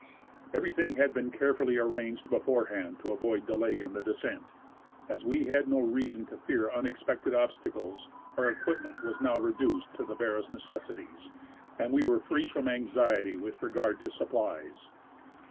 Everything had been carefully arranged beforehand to avoid delay in the descent. As we had no reason to fear unexpected obstacles, our equipment was now reduced to the barest necessities, and we were free from anxiety with regard to supplies.